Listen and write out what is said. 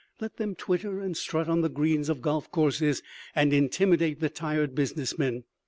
Let them twitter and strut on the greens of golf courses and intimidate the tired business men.